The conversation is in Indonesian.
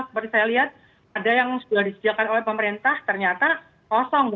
seperti saya lihat ada yang sudah disediakan oleh pemerintah ternyata kosong